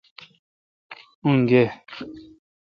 ان گے۔